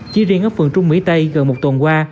chỉ riêng ở phường trung mỹ tây gần một tuần qua